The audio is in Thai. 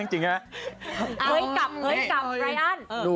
เฮ้ยกลับรายอัล